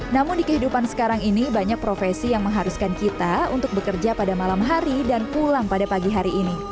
namun di kehidupan sekarang ini banyak profesi yang mengharuskan kita untuk bekerja pada malam hari dan pulang pada pagi hari ini